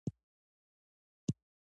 دځنګل حاصلات د افغانستان د بڼوالۍ برخه ده.